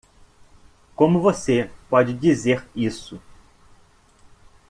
Como você pode dizer isso?